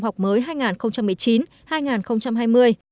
học mới hai nghìn một mươi chín hai nghìn hai mươi